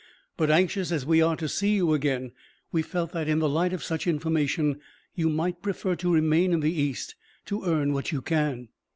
But, anxious as we are to see you again, we felt that, in the light of such information, you might prefer to remain in the East to earn what you can.